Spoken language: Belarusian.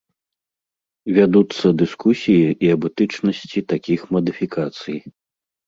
Вядуцца дыскусіі і аб этычнасці такіх мадыфікацый.